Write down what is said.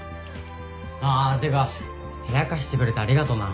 あってか部屋貸してくれてありがとな。